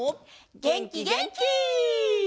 げんきげんき！